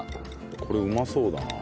これうまそうだな。